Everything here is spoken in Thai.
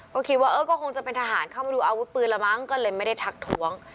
ก็คิดว่าเออก็คงจะเป็นทหารเข้ามาดูอาวุธปืนแล้วมั้งก็เลยไม่ได้ทักท้วง